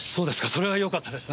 それはよかったですね。